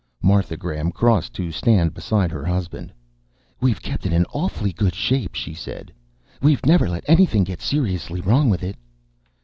Martha Graham crossed to stand beside her husband. "We've kept it in awfully good shape," she said. "We've never let anything get seriously wrong with it."